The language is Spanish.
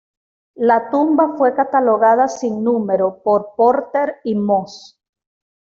La tumba fue catalogada sin número por Porter y Moss.